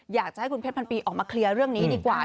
อยากจะให้คุณเพชรพันปีออกมาเคลียร์เรื่องนี้ดีกว่า